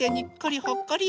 「にっこり」